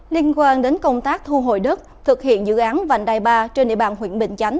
liên quan đến công tác thu hồi đất thực hiện dự án vành đai ba trên địa bàn huyện bình chánh